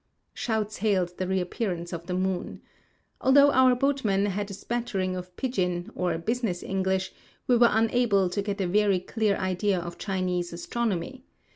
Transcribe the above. Shouts hailed the reappearance of the moon. Although our boatmen had a smattering of pidjin, or business, English, we were unable to get a very clear idea of Chinese astronomy.